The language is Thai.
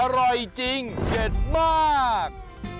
อร่อยจริงเด็ดมาก